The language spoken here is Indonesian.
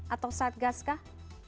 atau satgas kah